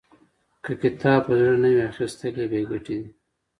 که کتاب په زړه نه وي، واخستل یې بې ګټې دی.